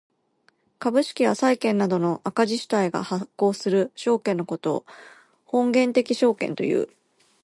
株式や債券などの赤字主体が発行する証券のことを本源的証券という。